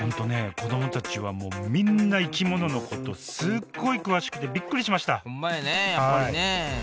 子どもたちはみんな生き物のことすっごい詳しくてびっくりしましたほんまやね